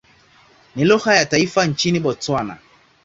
Ni lugha ya taifa nchini Botswana.